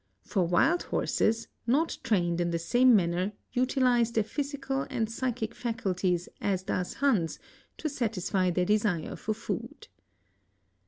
For wild horses, not trained. In the 'same manner utilize their physical and physchic faculties as does Hans, to' satisfy their desire for food.